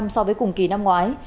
so với cùng kỳ năm ngoái